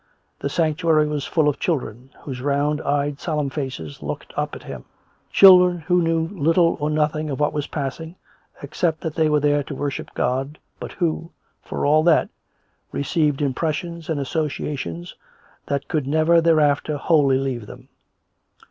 The sanctuary was full of children — whose round eyed, solemn faces looked up at him — children who knew little or nothing of what was pass ing, except that they were there to worship God, but who, 94 COME RACK! COME ROPE! for all that^ received impressions and associations that could never thereafter wholly leave them.